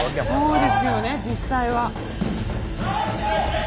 そうですよね実際は。